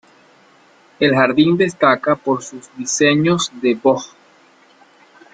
El jardín destaca por sus diseños de boj.